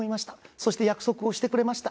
そして約束をしてくれました。